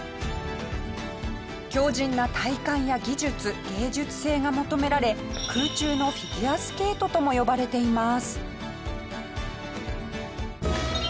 強靱な体幹や技術芸術性が求められ空中のフィギュアスケートとも呼ばれています。